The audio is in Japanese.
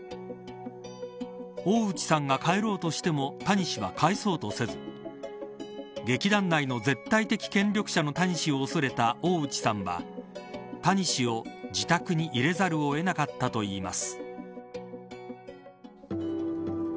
大内さんが帰ろうとしても谷氏は帰そうとせず劇団内の絶対的権力者の谷氏を恐れた大内さんは、谷氏を自宅に入れざるをえなかったといいます。